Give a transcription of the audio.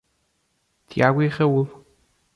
Tiago e Raul.